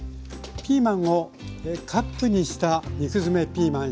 ピーマンをカップにした肉詰めピーマン。